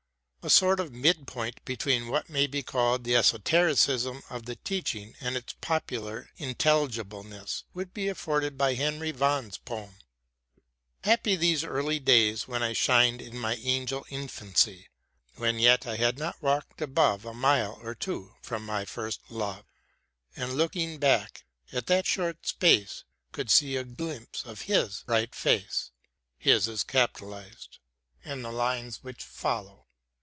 A sort of mid point between what may be called the esotericism of the teaching and its popular intelligibleness would be afforded by Henry Vaughan's poem : Happy those early days when I Shin'd in my angel infancy ! When yet I had not walked above A mile or two from my first Love, * "The Poet's Dream." WORDSWORTH AS A TEACHER 117 And looking back — at that short space — Could see a glimpse of His bright face ;* and the lines which follow.